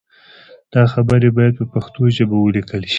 دا خبرې باید په پښتو ژبه ولیکل شي.